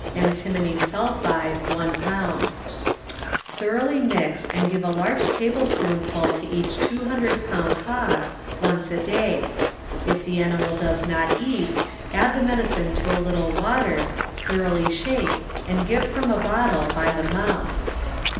Antimony sulphide 1 pound. Thoroughly nix and give a large table spoonful to each 200' pound hog, once a day. If the animal does not eat, add the medicine to a little water, thoroughly shake and give from a bottle by the mouth.